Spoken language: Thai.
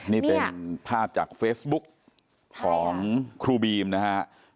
นี่เป็นภาพจากเฟซบุ๊กของครูบีมนะฮะ